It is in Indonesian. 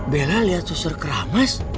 bella lihat suster keramas